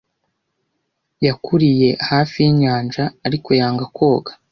Yakuriye hafi yinyanja, ariko yanga koga.